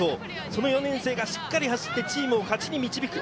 その４年生がしっかり走って、チームを勝ちに導く。